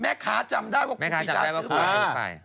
แม่ค้าจำได้ว่าครูปีชาถูกลอตเตอรี่รวรรณที่๑